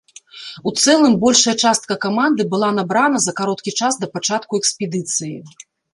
У цэлым, большая частка каманды была набрана за кароткі час да пачатку экспедыцыі.